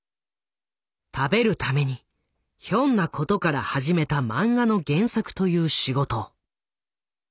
食べるためにひょんなことから始めた漫画の原作という仕事。